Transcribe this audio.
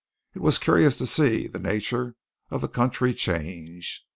It was curious to see the nature of the country change.